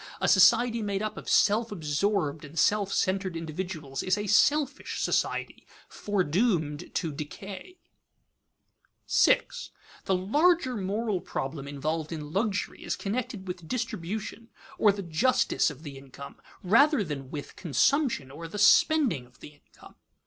A society made up of self absorbed and self centered individuals is a selfish society, foredoomed to decay. [Sidenote: Luxury generally condemned] 6. _The larger moral problem involved in luxury is connected with distribution or the justice of the income, rather than with consumption or the spending of the income.